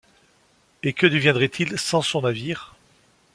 Et que deviendrait-il sans son navire ?